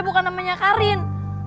bukan namanya karin